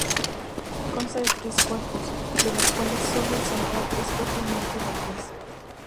Consta de tres cuerpos, de los cuales sólo el central es propiamente la iglesia.